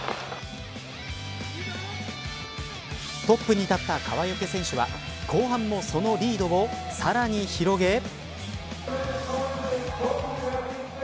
トップに立った川除選手は後半もそのリードをさらに広げ。